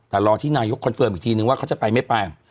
แต่รอที่นายกคอนเฟิร์มอีกทีนึงว่าเขาจะไปไม่ไป